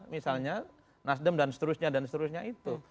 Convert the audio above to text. misalnya nasdem dan seterusnya dan seterusnya itu